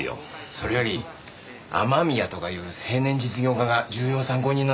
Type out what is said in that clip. それより雨宮とかいう青年実業家が重要参考人なんだって？